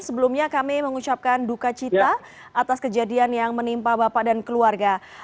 sebelumnya kami mengucapkan duka cita atas kejadian yang menimpa bapak dan keluarga